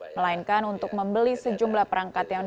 melainkan untuk membeli sejumlah perangkat yang